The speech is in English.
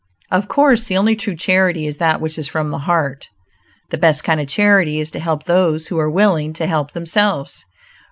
Of course the only true charity is that which is from the heart. The best kind of charity is to help those who are willing to help themselves.